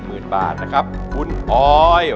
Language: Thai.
ร้องได้ให้ร้อง